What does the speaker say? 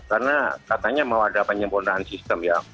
karena katanya mau ada penyempurnaan sistem ya